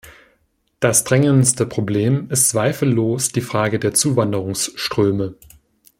Das drängendste Problem ist zweifellos die Frage der Zuwanderungsströme.